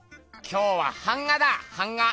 今日は版画だ版画！